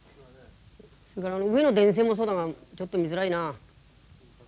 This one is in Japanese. それから上の電線もそうだなちょっと見づらいな。